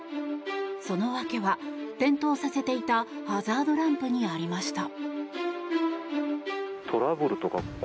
その訳は点灯させていたハザードランプにありました。